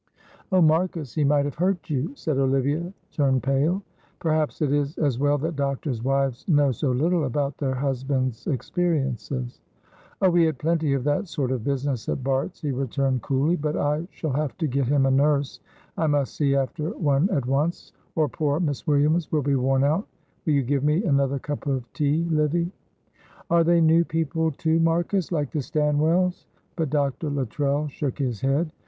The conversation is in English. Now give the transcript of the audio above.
"Oh, Marcus, he might have hurt you," and Olivia turned pale perhaps it is as well that doctors' wives know so little about their husbands' experiences. "Oh, we had plenty of that sort of business at Bart's," he returned, coolly; "but I shall have to get him a nurse. I must see after one at once, or poor Miss Williams will be worn out; will you give me another cup of tea, Livy?" "Are they new people too, Marcus, like the Stanwell's?" but Dr. Luttrell shook his head.